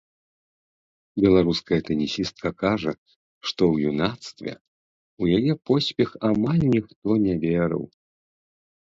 Беларуская тэнісістка кажа, што ў юнацтве ў яе поспех амаль ніхто не верыў.